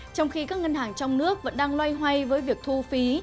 trong khi các ngân hàng trong nước vẫn đang loay hoay với việc thu phí